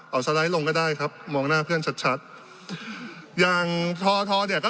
เอาสไลด์ลงก็ได้ครับมองหน้าเพื่อนชัดชัดอย่างทอทอเนี่ยก็